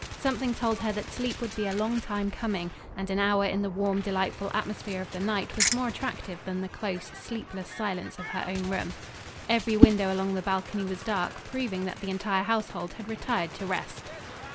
Something told her that sleep would be a long time coming, and an hour in the warm, delightful atmosphere of the night was more attractive than the close, sleepless silence of her own room. Every window along the balcony was dark, proving that the entire household had retired to rest.